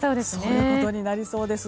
そういうことになりそうです。